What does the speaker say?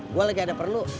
gue lagi ada perlu